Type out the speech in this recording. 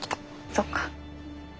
そっか。